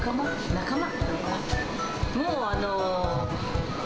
仲間。